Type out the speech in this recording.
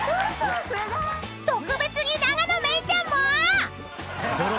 ［特別に永野芽郁ちゃんも⁉］